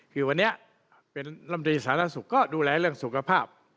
คือวันนี้เป็นรำดีศาลนักศึกก็ดูแลเรื่องสุขภาพ